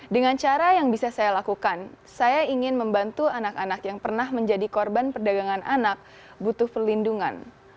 dengan cara yang bisa saya lakukan saya ingin membantu anak anak yang pernah menjadi korban perdagangan anak butuh perlindungan